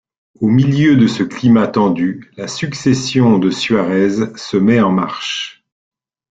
Au milieu de ce climat tendu, la succession de Suárez se met en marche.